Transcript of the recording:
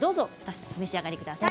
召し上がってください。